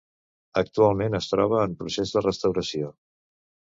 Actualment es troba en procés de restauració.